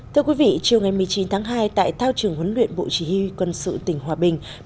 thưa quý vị chiều ngày một mươi chín tháng hai tại thao trường huấn luyện bộ chỉ huy quân sự tỉnh hòa bình